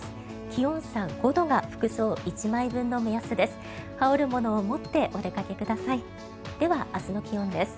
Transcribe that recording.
気温差５度が服装１枚分の目安です。